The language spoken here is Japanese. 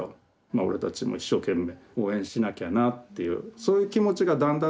俺たちも一生懸命応援しなきゃなっていうそういう気持ちがだんだん